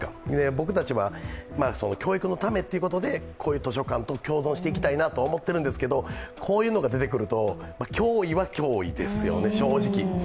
僕たちは教育のためということでこういう図書館と協働していきたいなと思ってるんですけど、こういうのが出てくると脅威は脅威ですよね、正直。